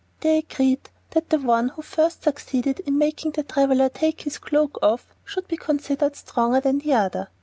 They agreed that the one who first succeeded in making the traveler take his cloak off should be considered stronger than the other.